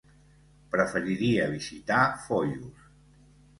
Preferiria visitar Foios.